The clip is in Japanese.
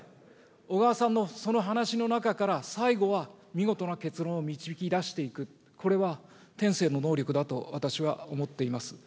小川さんのその話の中から、最後は見事な結論を導き出していく、これは天性の能力だと私は思っております。